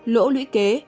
lỗ lũy kế